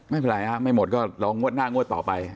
ไม่เป็นไรฮะไม่หมดก็ลองงวดหน้างวดต่อไป